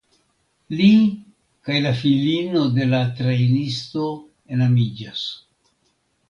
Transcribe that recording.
Li kaj la filino de la trejnisto enamiĝas.